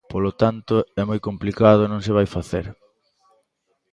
Polo tanto, é moi complicado e non se vai facer.